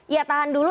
ya tahan dulu